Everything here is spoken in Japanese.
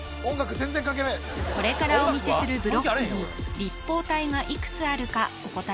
全然関係ないこれからお見せするブロックに立方体がいくつあるかお答え